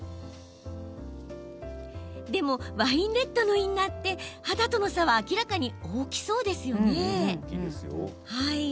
でもワインレッドのインナーって肌との差は明らかに大きそうですよね。